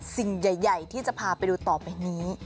สิ่งใหญ่ที่จะพาไปดูต่อไปนี้